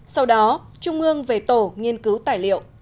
sau đó trung ương về tổ nghiên cứu tài liệu